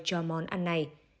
cho món ăn này